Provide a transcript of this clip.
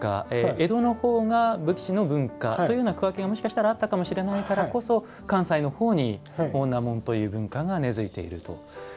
江戸の方が武士の文化という区分けがもしかしたらあったかもしれないからこそ関西のほうに女紋という文化が根づいていると。